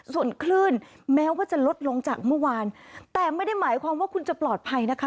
ส่วนคลื่นแม้ว่าจะลดลงจากเมื่อวานแต่ไม่ได้หมายความว่าคุณจะปลอดภัยนะคะ